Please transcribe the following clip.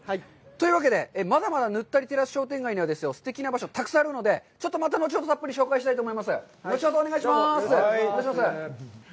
というわけで、まだまだ沼垂テラス商店街にはすてきな場所たくさんあるので、ちょっと、また後ほど、たっぷり紹介したいと思います。